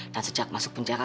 dan sejak masuk penjara